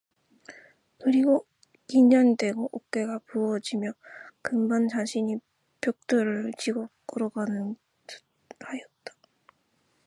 그리고 긴장이 되고 어깨가 무거워지며 금방 자신이 벽돌을 지고 걸어가는 듯하였다.